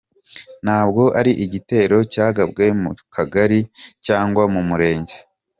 Ntabwo ari igitero cyagabwe mu kagari cyangwa mu murenge.